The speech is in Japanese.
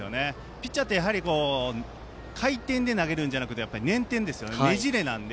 ピッチャーって回転で投げるんじゃなくてねん転、ねじれなので。